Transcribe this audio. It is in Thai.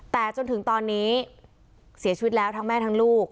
แต่จนถึงตอนนี้เสียชีวิตแล้วทั้งแม่ทั้งลูก